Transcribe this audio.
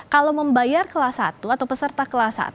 kalau membayar kelas satu atau peserta kelas satu